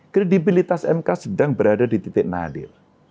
kredibilitas mk sedang berada di titik nadir